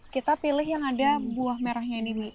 kita pilih yang ada buah merahnya ini